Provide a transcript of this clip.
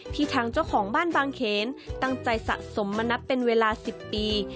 ทางเจ้าของบ้านบางเขนตั้งใจสะสมมานับเป็นเวลา๑๐ปี